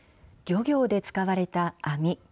漁業で使われた網。